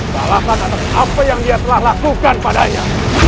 balasan atas apa yang dia telah lakukan padanya